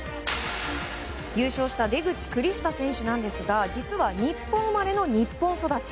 優勝した出口クリスタ選手なんですが実は、日本生まれの日本育ち。